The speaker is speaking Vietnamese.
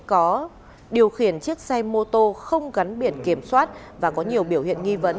có điều khiển chiếc xe mô tô không gắn biển kiểm soát và có nhiều biểu hiện nghi vấn